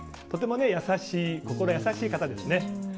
とても心優しい方ですね。